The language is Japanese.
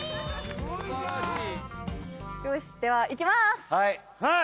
よしではいきます。